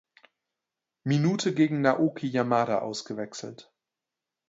Minute gegen Naoki Yamada ausgewechselt.